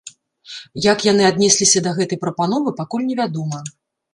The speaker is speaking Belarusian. Як яны аднесліся да гэтай прапановы, пакуль невядома.